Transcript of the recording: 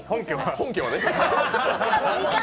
本家はね。